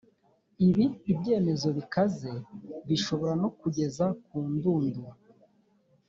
ibi ibyemezo bikaze bishobora no kugeza ku ndunduro